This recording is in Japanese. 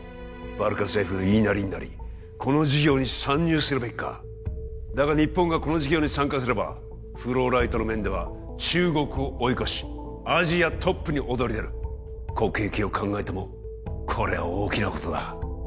バルカ政府の言いなりになりこの事業に参入するべきかだが日本がこの事業に参加すればフローライトの面では中国を追い越しアジアトップに躍り出る国益を考えてもこれは大きなことだ